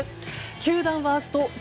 球団ワースト１４